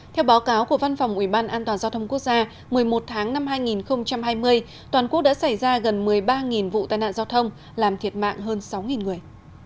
theo báo cáo của văn phòng ubnd giao thông quốc gia một mươi một tháng năm hai nghìn hai mươi toàn quốc đã xảy ra gần một mươi ba vụ tai nạn giao thông làm thiệt mạng hơn sáu người